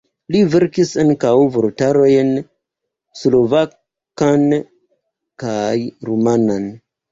Li verkis ankaŭ vortarojn: slovakan kaj rumanan.